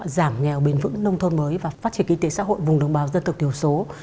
giảm nghèo bền vững nông thôn mới và phát triển kinh tế xã hội vùng đồng bào dân tộc thiểu số